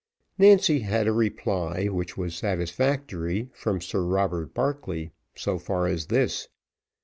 Nancy had had a reply, which was satisfactory, from Sir Robert Barclay, so far as this.